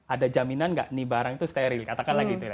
ada jaminan nggak nih barang itu steril katakanlah gitu ya